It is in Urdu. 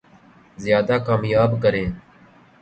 زیادہ کامیاب کریں